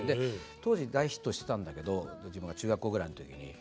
当時大ヒットしてたんだけど自分が中学校ぐらいの時に。